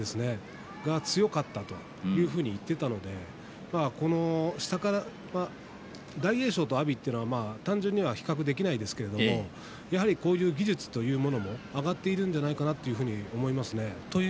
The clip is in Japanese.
それが強かったというふうに言っていたので大栄翔と阿炎は単純には比較できませんけどやはりこういう技術というのは上がっているんじゃないかと思いますし。